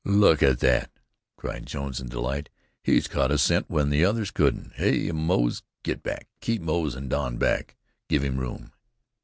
"Look at that!" cried Jones in delight. "He's caught a scent when the others couldn't. Hyah, Moze, get back. Keep Moze and Don back; give him room."